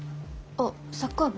あっサッカー部？